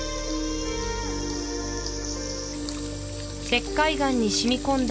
石灰岩にしみ込んだ